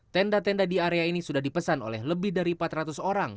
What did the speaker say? tenda tenda di area ini sudah dipesan oleh lebih dari empat ratus orang